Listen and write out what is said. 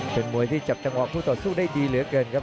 เป็นมวยที่จับจังหวะคู่ต่อสู้ได้ดีเหลือเกินครับ